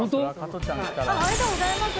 ありがとうございます。